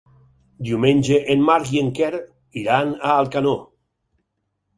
Diumenge en Marc i en Quer iran a Alcanó.